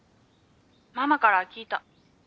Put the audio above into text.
ママから聞いた。